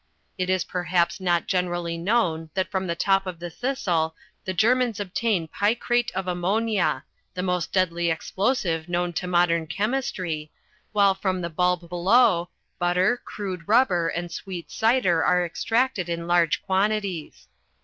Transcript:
It is perhaps not generally known that from the top of the thistle the Germans obtain picrate of ammonia, the most deadly explosive known to modern chemistry, while from the bulb below, butter, crude rubber and sweet cider are extracted in large quantities.